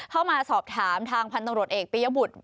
เข้ามาสอบถามทางพันธุ์ตำรวจเอกปียบุตร